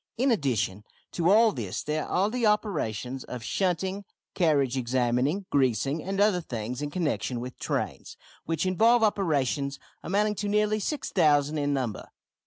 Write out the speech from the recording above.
In addition to all this there are the operations of shunting, carriage examining, greasing, and other things in connexion with trains which involve operations amounting to nearly 6000 in number.